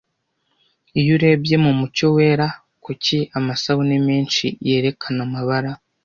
Iyo urebye mumucyo wera, kuki amasabune menshi yerekana amabara